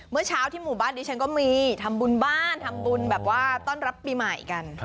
เมื่อเช้าที่หมู่บ้านดิฉันก็มีทำบุญบ้านทำบุญแบบว่าต้อนรับปีใหม่กัน